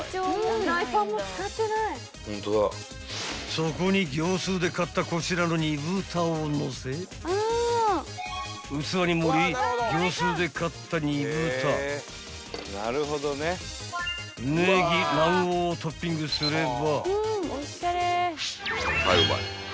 ［そこに業スーで買ったこちらの煮豚をのせ器に盛り業スーで買った煮豚ねぎ卵黄をトッピングすれば］